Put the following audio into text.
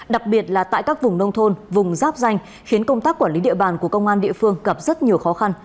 đặc biệt là tại các vùng nông thôn vùng giáp danh khiến công tác quản lý địa bàn của công an địa phương gặp rất nhiều khó khăn